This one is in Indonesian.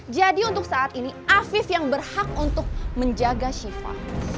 jadi untuk saat ini afif yang berhak untuk menjaga siva